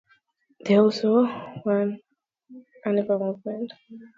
They are also one of the fan clubs of Antifa movement.